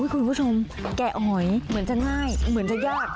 คุณผู้ชมแกะหอยเหมือนจะง่ายเหมือนจะยาก